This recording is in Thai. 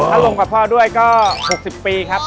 ถ้าลงกับพ่อด้วยก็๖๐ปีครับ